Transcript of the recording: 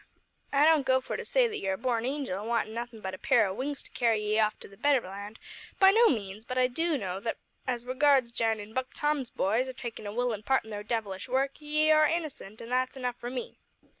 I don't go for to say that you're a born angel, wantin' nothin' but a pair o' wings to carry ye off to the better land by no means, but I do know that as regards jinin' Buck Tom's boys, or takin' a willin' part in their devilish work, ye are innocent an' that's enough for me."